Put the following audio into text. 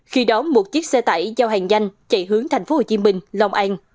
khi đó một chiếc xe tải giao hàng danh chạy hướng tp hcm long an